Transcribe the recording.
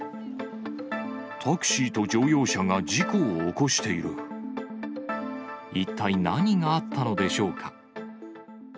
タクシーと乗用車が事故を起一体何があったのでしょうか。